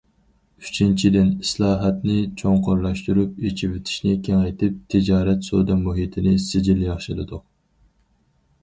ئۈچىنچىدىن، ئىسلاھاتنى چوڭقۇرلاشتۇرۇپ، ئېچىۋېتىشنى كېڭەيتىپ، تىجارەت- سودا مۇھىتىنى سىجىل ياخشىلىدۇق.